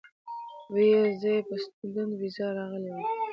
وې ئې زۀ چې پۀ سټوډنټ ويزا راغلی ووم